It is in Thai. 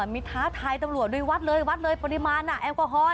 มีท้าทายตำรวจโดยวัดเลยวัดเลยปริมาณแอลกอฮอล